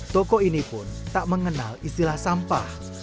toko ini pun tak mengenal istilah sampah